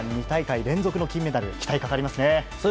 ２大会連続の金メダル期待かかりますね。